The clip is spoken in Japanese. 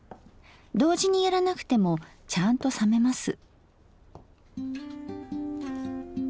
同時にやらなくてもちゃんと冷めます。